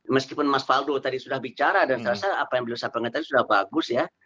meskipun mas faldo tadi sudah bicara dan saya rasa apa yang beliau sampaikan tadi sudah bagus ya